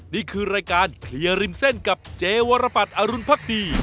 นี่คือรายการเคลียร์ริมเส้นกับเจวรปัตรอรุณพักดี